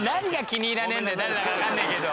誰だかわかんねえけど。